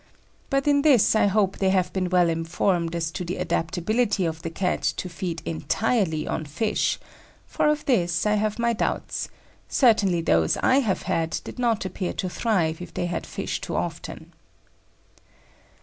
But in this I hope they have been well informed as to the adaptability of the Cat to feed entirely on fish, for of this I have my doubts; certainly those I have had did not appear to thrive if they had fish too often.